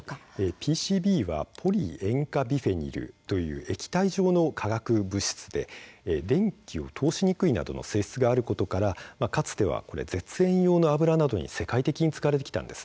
ＰＣＢはポリ塩化ビフェニルという液体状の化学物質で電気を通しにくいなどの性質があることから、かつては絶縁用の油などに世界的に使われてきたんです。